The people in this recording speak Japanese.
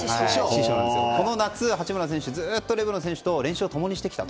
この夏、八村選手ずっとレブロン選手と練習を共にしてきた。